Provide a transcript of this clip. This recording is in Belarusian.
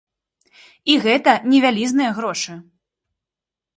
І гэта не вялізныя грошы!